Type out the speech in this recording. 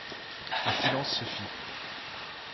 Un silence se fit.